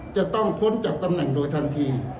จะต้องพ้นจากตำแหน่งโดยทันที